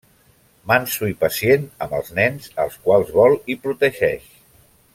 Manso i pacient amb els nens, als quals vol i protegeix.